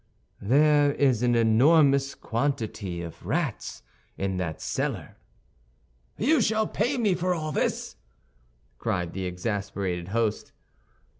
"There is an enormous quantity of rats in that cellar." "You shall pay me for all this," cried the exasperated host.